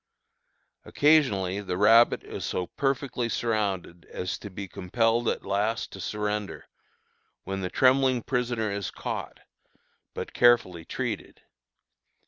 Occasionally the rabbit is so perfectly surrounded as to be compelled at last to surrender, when the trembling prisoner is caught, but carefully treated.